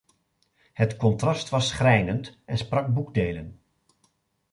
Het contrast was schrijnend en sprak boekdelen.